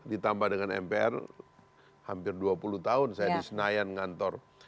ditambah dengan mpr hampir dua puluh tahun saya di senayan ngantor